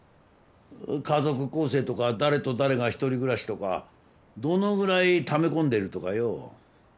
家族構成とか誰と誰が１人暮らしとかどのぐらいため込んでるとかよ。